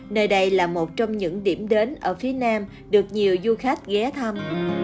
nơi đây là một trong những điểm đến ở phía nam được nhiều du khách ghé thăm